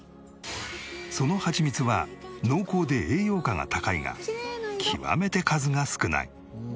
そのハチミツは濃厚で栄養価が高いが極めて数が少ない。